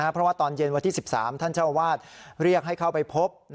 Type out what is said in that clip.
เพราะว่าตอนเย็นวันที่๑๓ท่านเจ้าอาวาสเรียกให้เข้าไปพบ